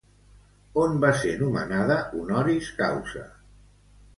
On va ser nomenada honoris causa?